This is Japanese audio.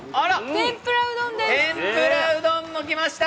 天ぷらうどんもきました。